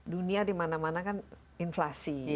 dunia di mana mana kan inflasi